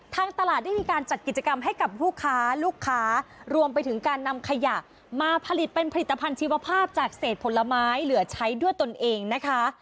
ทางตลาดได้มีการจัดกิจกรรมให้กับลูกค้าลูกค้ารวมไปถึงการนำขยะมาผลิตเป็นผลิตภัณฑ์ชีวภาพจากเศษผลไม้เหลือใช้ด้วยตนเองนะคะ